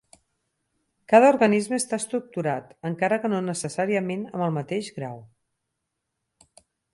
Cada organisme està estructurat, encara que no necessàriament amb el mateix grau.